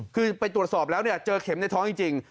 คือไปตรวจสอบแล้วเจอเข็มในท้องจริง